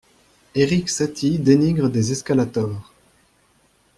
Erik Satie dénigre des escalators.